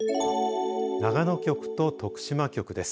長野局と徳島局です。